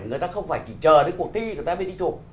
người ta không phải chỉ chờ đến cuộc thi người ta mới đi chụp